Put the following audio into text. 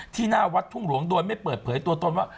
หน้าวัดทุ่งหลวงโดยไม่เปิดเผยตัวตนว่า